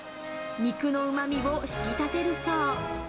肉のうまみを引き立てるそう。